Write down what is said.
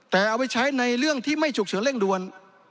แต่เอาไปใช้ในเรื่องที่ไม่ฉุกเฉินเร่งด่วน